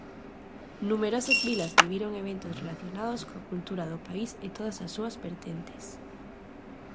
Numerosas vilas viviron eventos relacionados coa cultura do país e todas as súas vertentes.